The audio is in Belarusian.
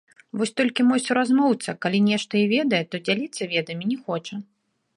Вось толькі мой суразмоўца калі нешта і ведае, то дзяліцца ведамі не хоча.